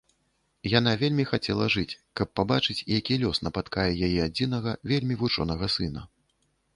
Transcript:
Яна вельмі хацела жыць, каб пабачыць, які лёс напаткае яе адзінага вельмі вучонага сына.